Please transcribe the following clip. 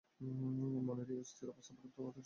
মনের এই অস্থির অবস্থার পরিবর্তন সাধন করিতেই হইবে।